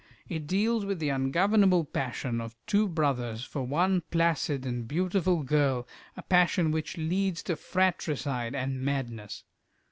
It deals with the ungovernable passion of two brothers for one placid and beautiful girl, a passion which leads to fratricide and madness.